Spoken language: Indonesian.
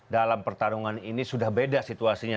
dalam pertarungan ini sudah beda situasinya